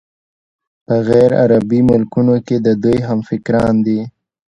په غیرعربي ملکونو کې د دوی همفکران دي.